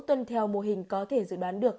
tuân theo mô hình có thể dự đoán được